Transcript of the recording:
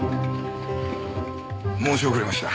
申し遅れました。